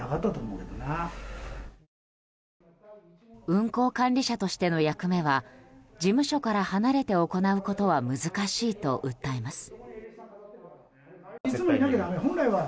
運航管理者としての役目は事務所から離れて行うことは難しいと訴えます。